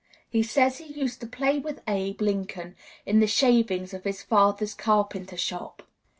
He says he used to play with Abe Lincoln in the shavings of his father's carpenter shop.